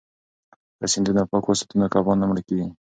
که سیندونه پاک وساتو نو کبان نه مړه کیږي.